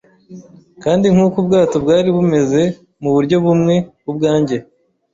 kandi nkuko ubwato bwari bumeze, muburyo bumwe, ubwanjye